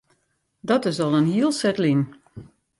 Dat is al in hiel set lyn.